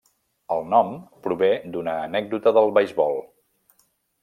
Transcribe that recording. El nom prové d’una anècdota del beisbol.